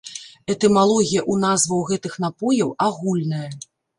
Этымалогія ў назваў гэтых напояў агульная.